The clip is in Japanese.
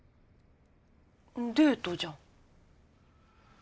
デートじゃん。